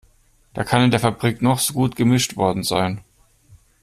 Da kann in der Fabrik noch so gut gemischt worden sein.